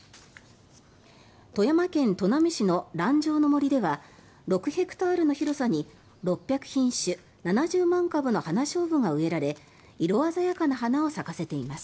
富山県砺波市の頼成の森では６ヘクタールの広さに６００品種７０万株のハナショウブが植えられ色鮮やかな花を咲かせています。